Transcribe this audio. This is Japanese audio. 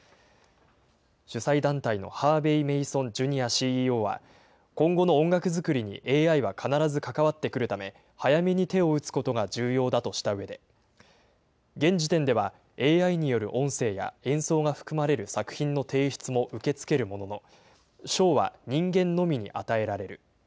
主催団体のハーベイ・メイソン・ジュニアＣＥＯは、今後の音楽作りにＡＩは必ず関わってくるため、早めに手を打つことが重要だとしたうえで、現時点ではＡＩによる音声や演奏が含まれる作品の提出も受け付けるものの、賞は人間のみに与えられる。